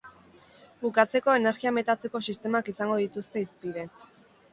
Bukatzeko energia metatzeko sistemak izango dituzte hizpide.